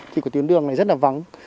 thì của tuyến đường này rất là vắng